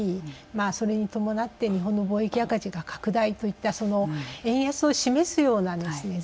まあそれに伴って日本の貿易赤字の拡大といった円安を示すようなですね